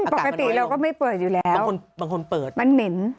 ปกติเราก็ไม่เปิดอยู่แล้วมันเหม็น